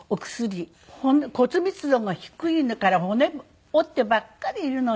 骨密度が低いから骨折ってばっかりいるのよ。